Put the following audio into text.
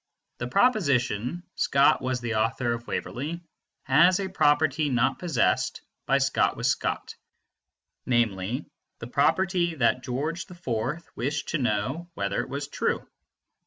The proposition "Scott was the author of Waverley" has a property not possessed by "Scott was Scott," namely the property that George IV wished to know whether it was true.